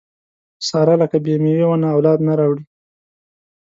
ساره لکه بې مېوې ونه اولاد نه راوړي.